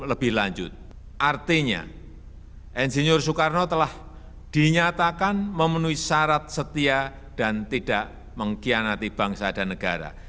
lebih lanjut artinya insinyur soekarno telah dinyatakan memenuhi syarat setia dan tidak mengkhianati bangsa dan negara